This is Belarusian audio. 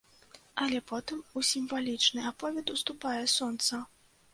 Але потым у сімвалічны аповед уступае сонца.